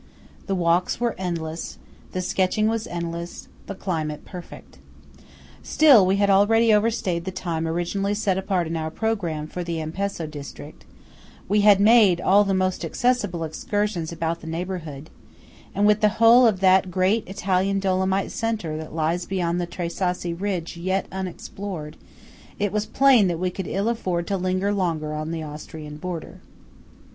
The walks were endless; the sketching was endless; the climate perfect. Still we had already overstayed the time originally set apart in our programme for the Ampezzo district; we had made all the most accessible excursions about the neighbourhood; and with the whole of that great Italian Dolomite centre that lies beyond the Tre Sassi ridge yet unexplored, it was plain that we could ill afford to linger longer on the Austrian border.